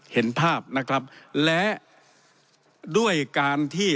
เห็นภาพนะครับและด้วยการที่